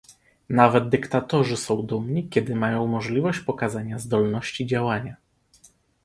Nawet dyktatorzy są dumni, kiedy mają możliwość pokazania zdolności działania